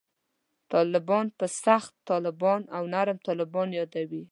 طالبان په «سخت طالبان» او «نرم طالبان» یادوي.